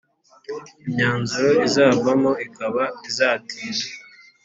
imyanzuro izavamo ikaba itazatinda.